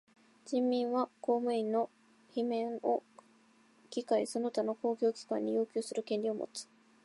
人民は公務員の罷免を議会その他の公共機関に要求する権利をもつ。